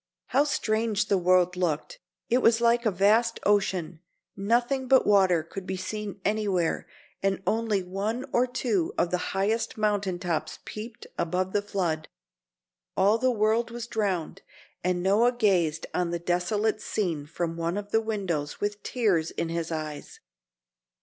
How strange the world looked! It was like a vast ocean. Nothing but water could be seen anywhere, and only one or two of the highest mountain tops peeped above the flood. All the world was drowned, and Noah gazed on the desolate scene from one of the windows with tears in his eyes.